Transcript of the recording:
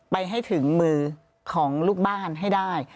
ไปให้ถึงมือของลูกบ้านให้ได้